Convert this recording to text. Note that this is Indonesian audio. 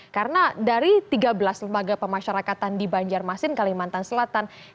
karena dari tiga belas lembaga pemasyarakatan di banjarmasin kalimantan selatan